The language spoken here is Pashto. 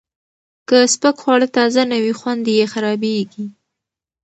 که سپک خواړه تازه نه وي، خوند یې خرابېږي.